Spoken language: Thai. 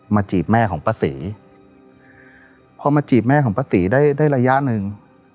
จีบแม่ของป้าศรีพอมาจีบแม่ของป้าศรีได้ได้ระยะหนึ่ง